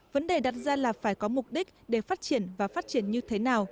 vấn đề đặt ra là phải có mục đích để phát triển và phát triển như thế nào